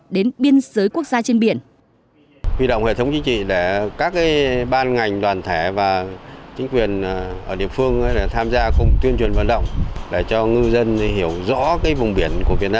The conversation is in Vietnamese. đến biên giới quốc gia trên biển